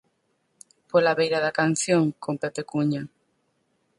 Pola beira da canción, con Pepe Cunha.